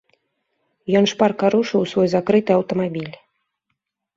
Ён шпарка рушыў у свой закрыты аўтамабіль.